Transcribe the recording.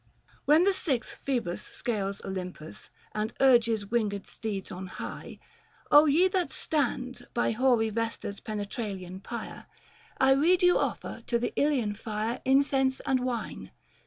When the sixth Phoebus scales Olympus, and Urges winged steeds on high : ye that stand By hoary Yesta's penetralian pyre, I rede you offer to the Ilian fire Incense and wine.